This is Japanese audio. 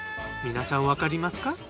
皆さんわかりますか？